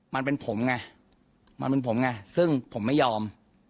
มันเป็นผมไงมันเป็นผมไงซึ่งผมไม่ยอม